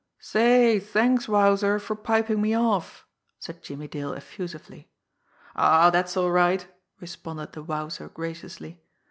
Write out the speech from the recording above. "Say, thanks, Wowzer, for piping me off!" said Jimmie Dale effusively. "Oh, dat's all right," responded the Wowzer graciously.